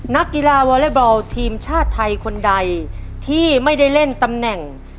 นักกีฬาวอเล็กบอลทีมชาติไทยคนใดที่ไม่ได้เล่นตำแหน่ง